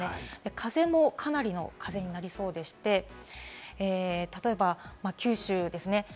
風もかなりの風になりそうで、例えば九州ですね。